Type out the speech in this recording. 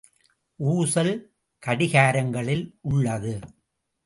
ஊசல் கடிகாரங்களில் உள்ளது.